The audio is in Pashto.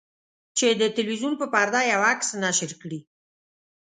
چې د تلویزیون په پرده یو عکس نشر کړي.